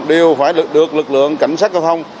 đều phải được lực lượng cảnh sát giao thông